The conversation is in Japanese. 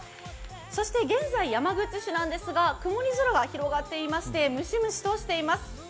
そして現在、山口市なんですが曇り空が広がっていましてムシムシとしています。